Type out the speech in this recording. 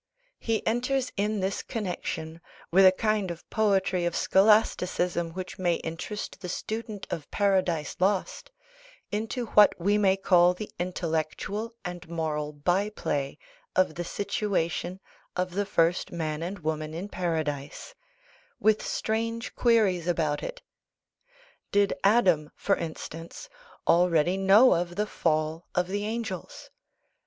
He enters in this connexion, with a kind of poetry of scholasticism which may interest the student of Paradise Lost, into what we may call the intellectual and moral by play of the situation of the first man and woman in Paradise, with strange queries about it. Did Adam, for instance, already know of the fall of the Angels?